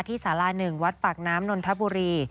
สารา๑วัดปากน้ำนนทบุรี